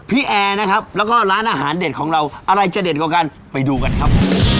แอร์นะครับแล้วก็ร้านอาหารเด็ดของเราอะไรจะเด็ดกว่ากันไปดูกันครับ